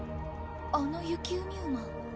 あの雪海馬」